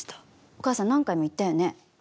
お母さん何回も言ったよね。